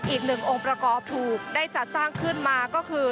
อีกหนึ่งองค์ประกอบถูกได้จัดสร้างขึ้นมาก็คือ